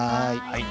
はい。